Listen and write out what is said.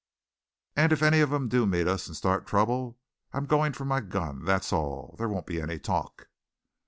"And if any of them do meet us and start trouble, I'm going for my gun, that's all. There won't be any talk."